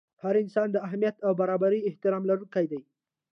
هر انسان د اهمیت او برابر احترام لرونکی دی.